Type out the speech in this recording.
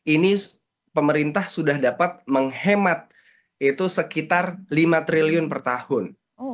ini pemerintah sudah dapat menghemat itu sekitar lima triliun per tahun